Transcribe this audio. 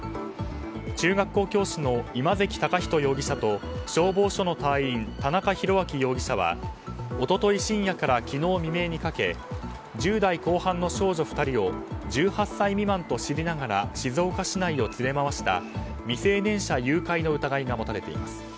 中学校教師の今関崇人容疑者と消防署の隊員、田中宏明容疑者は一昨日深夜から昨日未明にかけ１０代後半の少女２人を１８歳未満と知りながら静岡市内を連れ回した未成年者誘拐の疑いが持たれています。